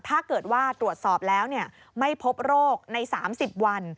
ถ้าเกิดว่าตรวจสอบแล้วไม่พบโรคใน๓๐วัน